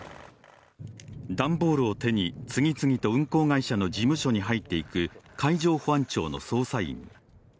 段ボールを手に次々と運航会社の事務所に入っていく海上保安庁の捜査員。